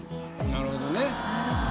なるほど。